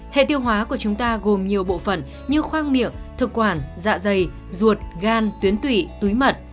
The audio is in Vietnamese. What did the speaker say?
hệ tiêu hóa của chúng ta gồm nhiều bộ phận như khoang miệng thực quản dạ dày ruột gan tuyến tủy túi mật